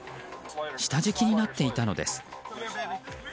下敷きになっていたのです。